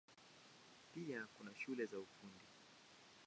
Pia kuna shule za Ufundi.